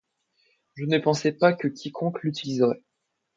Je ne pensais pas que quiconque l'utiliserait.